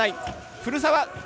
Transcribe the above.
古澤！